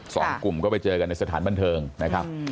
สองกลุ่มก็ไปเจอกันในสถานบันเทิงนะครับ